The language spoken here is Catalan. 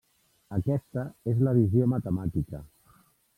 Aquesta és la visió matemàtica.